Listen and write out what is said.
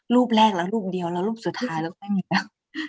รูปแรกแล้วรูปเดียวแล้วรูปสุดท้ายแล้วก็ไม่มีแล้ว